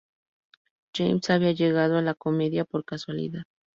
James había llegado a la comedia por casualidad.